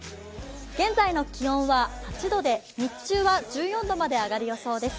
現在の気温は８度で、日中は１４度まで上がる予想です。